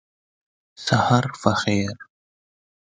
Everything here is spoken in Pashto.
سهار په خیر !